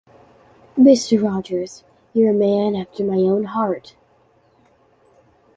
Mr. Rogers, you're a man after my own heart.